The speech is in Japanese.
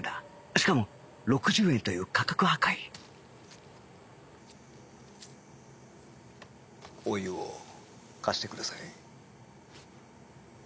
しかも６０円という価格破壊お湯を貸してください。